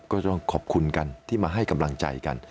ก็ต้องขอบคุณกันที่มาให้กำลังใจกัน